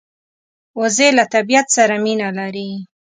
وزې له طبیعت سره مینه لري